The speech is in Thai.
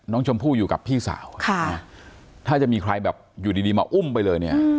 น้องชมพู่อยู่กับพี่สาวถ้าจะมีใครแบบอยู่ดีมาอุ้มไปเลยเนี่ย